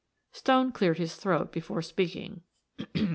Stone cleared his throat before speaking.